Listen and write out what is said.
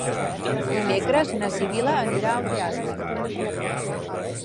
Dimecres na Sibil·la anirà al teatre.